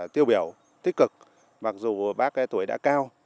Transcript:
tiêu biểu tích cực mặc dù bác tuổi đã cao